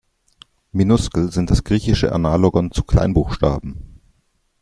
Minuskel sind das griechische Analogon zu Kleinbuchstaben.